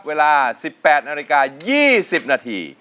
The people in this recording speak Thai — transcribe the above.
เวลา๑๘นาฬิกา๒๐นาที